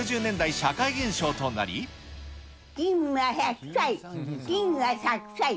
きんは１００歳、きんは１００歳。